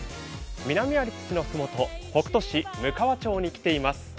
南アルプスの麓、北杜市武川町に来ています。